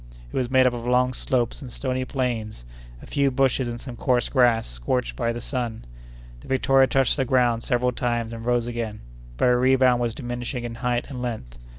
It was made up of long slopes and stony plains, a few bushes and some coarse grass, scorched by the sun. The Victoria touched the ground several times, and rose again, but her rebound was diminishing in height and length.